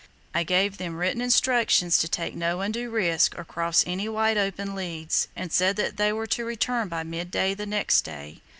I gave them written instructions to take no undue risk or cross any wide open leads, and said that they were to return by midday the next day.